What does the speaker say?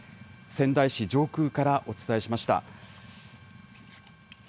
仙台市上空からお伝えしました。